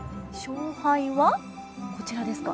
勝敗はこちらですか。